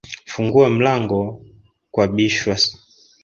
funguwa mlango kwabishwa